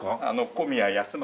小宮康正。